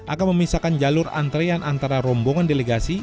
akan memisahkan jalur antrean antara rombongan delegasi